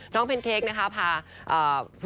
น้องแพนเค้กนะคะพาสุนัขเนี่ย